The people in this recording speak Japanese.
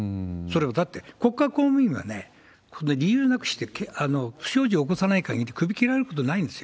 それは、だって国家公務員はね、理由なくして、不祥事を起こさない限り首切られることないんですよ。